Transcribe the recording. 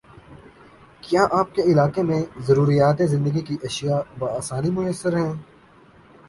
کیا آپ کے علاقے میں ضروریاتِ زندگی کی اشیاء باآسانی میسر ہیں؟